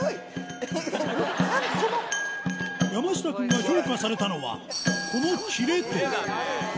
山下くんが評価されたのはこのキレと